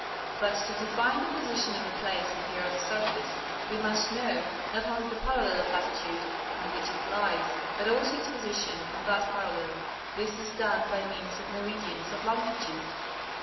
But to define the position of a place on the earth's surface, we must know, not only the parallel of latitude on which it lies, but also its position on that parallel. This is done by means of Meridians of Longitude.